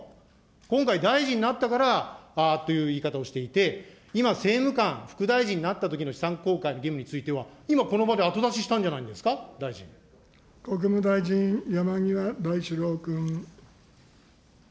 今回、大臣になったからああという言い方をしていて、今、政務官、副大臣になったときの資産公開の義務については今この場で後出し国務大臣、山際大志郎君。